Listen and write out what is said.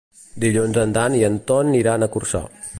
Dilluns en Dan i en Ton iran a Corçà.